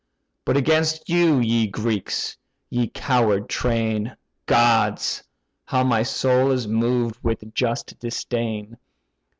But against you, ye Greeks! ye coward train! Gods! how my soul is moved with just disdain!